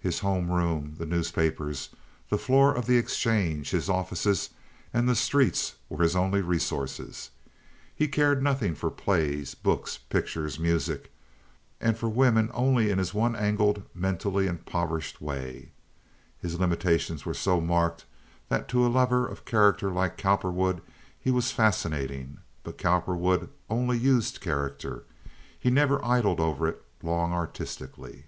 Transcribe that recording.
His home room, the newspapers, the floor of the exchange, his offices, and the streets were his only resources. He cared nothing for plays, books, pictures, music—and for women only in his one angled, mentally impoverished way. His limitations were so marked that to a lover of character like Cowperwood he was fascinating—but Cowperwood only used character. He never idled over it long artistically.